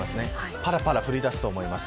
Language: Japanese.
ぱらぱら降りだすと思います。